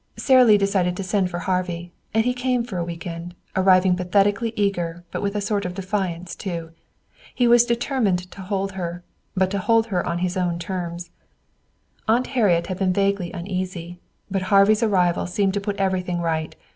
Sara Lee decided to send for Harvey, and he came for a week end, arriving pathetically eager, but with a sort of defiance too. He was determined to hold her, but to hold her on his own terms. Aunt Harriet had been vaguely uneasy, but Harvey's arrival seemed to put everything right.